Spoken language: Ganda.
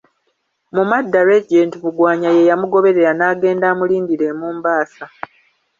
Mu madda Regent Mugwanya ye yamugoberera n'agenda amulindirira e Mombasa.